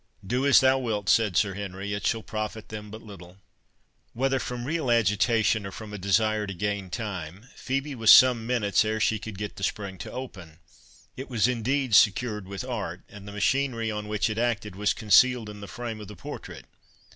"Do as thou wilt," said Sir Henry; "it shall profit them but little." Whether from real agitation, or from a desire to gain time, Phœbe was some minutes ere she could get the spring to open; it was indeed secured with art, and the machinery on which it acted was concealed in the frame of the portrait.